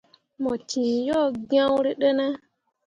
Mo ciŋ yo gyõrîi ɗine.